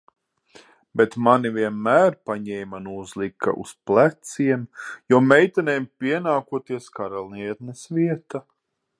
Bet mani vienmēr paņēma un uzlika uz pleciem, jo meitenēm pienākoties karalienes vieta.